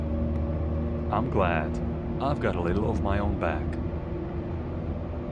I'm glad. I've got a little of my own back.